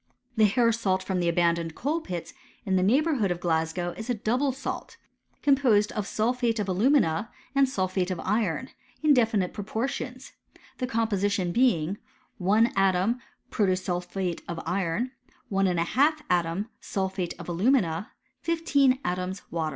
* The hair salt from the abandoned coal pits in the neighbourhood of Glasgo# is a double salt, composed of sulphate of alumina, add sulphate of iron, in definite proportions ; the compoii& tion being ^» 1 atom protosulphate of iron, 1^ atom sulphate of alumina, ' i^ 15 atoms water.